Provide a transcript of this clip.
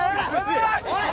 おい！